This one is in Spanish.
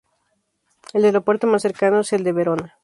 El aeropuerto más cercano es el de Verona.